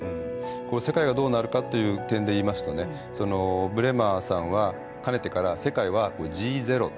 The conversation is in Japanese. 世界がどうなるかっていう点で言いますとねブレマーさんはかねてから世界は「Ｇゼロ」と。